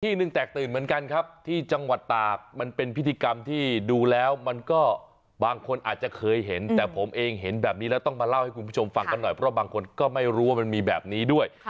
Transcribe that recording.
หนึ่งแตกตื่นเหมือนกันครับที่จังหวัดตากมันเป็นพิธีกรรมที่ดูแล้วมันก็บางคนอาจจะเคยเห็นแต่ผมเองเห็นแบบนี้แล้วต้องมาเล่าให้คุณผู้ชมฟังกันหน่อยเพราะบางคนก็ไม่รู้ว่ามันมีแบบนี้ด้วย